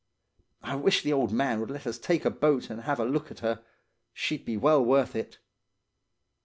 I wish the old man would let us take the boat and have a look at her. She'd be well worth it.